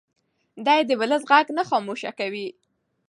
دی د ولس غږ نه خاموشه کوي.